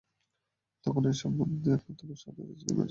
তখন এ সম্বন্ধে তার একমাত্র উৎসাহদাতা ছিলেন মেজোরানী।